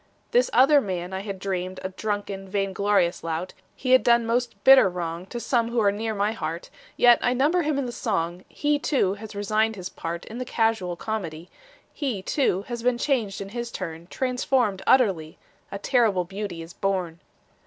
This other man I had dreamed A drunken, vain glorious lout. He had done most bitter wrong To some who are near my heart, Yet I number him in the song; He, too, has resigned his part In the casual comedy; He, too, has been changed in his turn, Transformed utterly: A terrible beauty is born.